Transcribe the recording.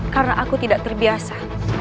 karena aku tidak terbiasa